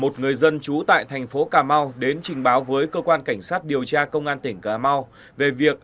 thủ tại thành phố cà mau đến trình báo với cơ quan cảnh sát điều tra công an tỉnh cà mau về việc